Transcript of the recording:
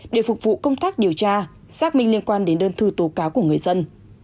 để phục vụ công tác điều tra xác minh liên quan đến đơn thư tố cáo của người dân